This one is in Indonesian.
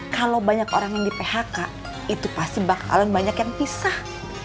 kalau banyak orang yang di phk itu pasti bakalan banyak yang pisah